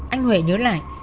anh huệ nhớ lại